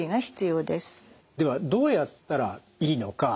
ではどうやったらいいのか。